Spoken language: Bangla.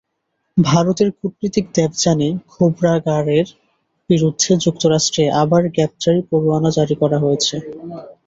ভারতের কূটনীতিক দেবযানী খোবরাগাড়ের বিরুদ্ধে যুক্তরাষ্ট্রে আবার গ্রেপ্তারি পরোয়ানা জারি করা হয়েছে।